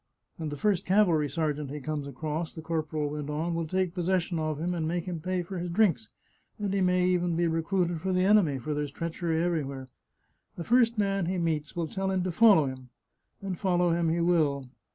" And the first cavalry sergeant he comes across," the corporal went on, " will take possession of him and make him pay for his drinks, and he may even be recruited for the enemy, for there's treachery everywhere. The first man he meets will tell him to follow him, and follow him he will!